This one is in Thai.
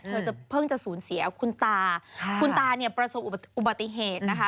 เธอจะเพิ่งจะสูญเสียคุณตาคุณตาเนี่ยประสบอุบัติเหตุนะคะ